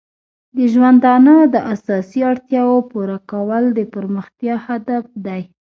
د ژوندانه د اساسي اړتیاو پوره کول د پرمختیا هدف دی.